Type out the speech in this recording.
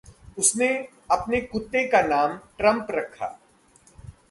उसने अपने कुत्ते का नाम ट्रम्प रखा।